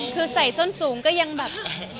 คือใส่ส้นสูงก็ยังแบบ